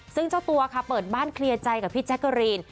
ซึ่งเจ้าตัวค่ะเปิดบ้านเคลียร์ใจกับพี่แจ๊กเกอรีน